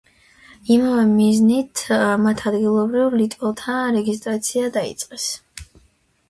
იმავე მიზნით, მათ ადგილობრივ ლიტველთა რეგისტრაცია დაიწყეს.